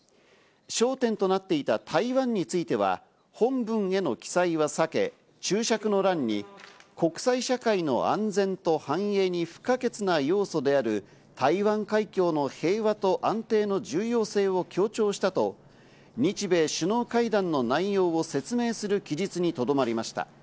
焦点となっていた台湾については、本文への記載は避け、注釈の欄に国際社会の安全と繁栄に不可欠な要素である台湾海峡の平和と安定の重要性を強調したと、日米首脳会談の内容を説明する記述にとどまりました。